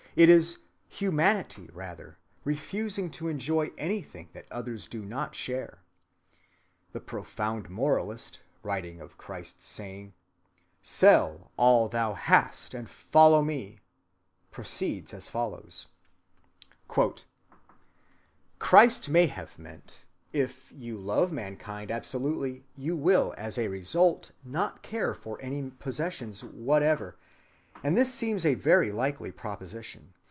It is humanity, rather, refusing to enjoy anything that others do not share. A profound moralist, writing of Christ's saying, "Sell all thou hast and follow me," proceeds as follows:— "Christ may have meant: If you love mankind absolutely you will as a result not care for any possessions whatever, and this seems a very likely proposition.